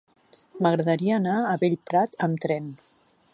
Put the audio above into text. M'agradaria anar a Bellprat amb tren.